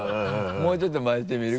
もうちょっと回してみる？